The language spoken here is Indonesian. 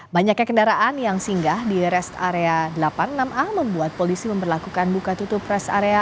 banyaknya kendaraan yang singgah di rest area delapan puluh enam a membuat polisi memperlakukan buka tutup rest area